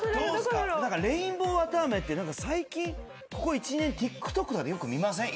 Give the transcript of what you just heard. レインボーわたあめって最近ここ１２年ＴｉｋＴｏｋとかでよく見ません？